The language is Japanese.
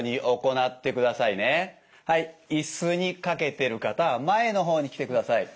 いすに掛けてる方は前のほうに来てください。